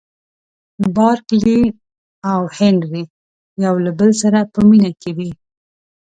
بارکلي او هنري یو له بل سره په مینه کې دي.